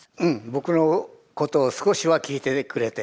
僕のことを少しは聴いててくれて。